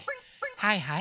はいはい？